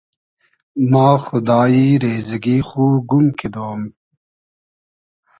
ما خودایی ریزئگی خو گوم کیدۉم